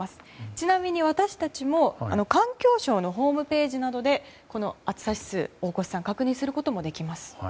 ちなみに私たちも環境省のホームページなどでこの暑さ指数、大越さん確認することもできます。